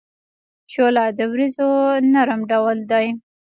شوله د وریجو نرم ډول دی.